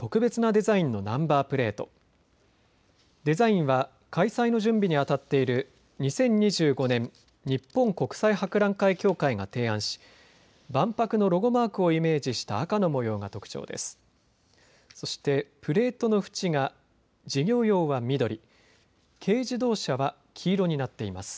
デザインは開催の準備にあたっている２０２５年日本国際博覧会協会が提案し万博のロゴマークをイメージした赤の模様が特徴です。